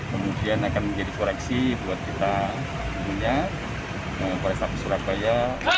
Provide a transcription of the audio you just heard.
kemudian akan menjadi koreksi buat kita dunia polresta besurabaya